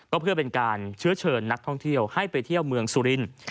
ก็เพื่อเป็นการเชื้อเชิญนักท่องเที่ยวให้ไปเที่ยวเมืองสุรินทร์